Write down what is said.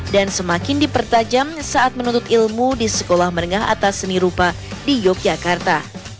dan semakin dipertajam saat menuntut ilmu di sekolah meninggah atas seni rupa di yogyakarta